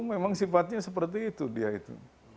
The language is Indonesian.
memang sifatnya seperti itu dia itu